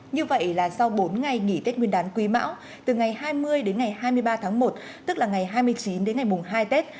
như vậy là sau bốn ngày nghỉ tết nguyên đán quý mão từ ngày hai mươi đến ngày hai mươi ba tháng một tức là ngày hai mươi chín đến ngày mùng hai tết